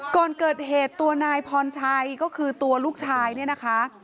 ก่อนเกิดเหตุตัวนายพรชัยก็คือตัวลูกชายเนี่ยนะคะ